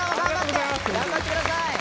頑張ってください。